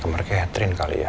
kamu merka hetrin kali ya